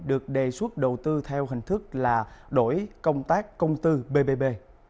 được đề xuất đầu tư theo hình thức là đổi công tác công tư bbb